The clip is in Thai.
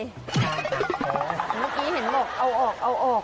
เมื่อกี้เห็นบอกเอาออกเอาออก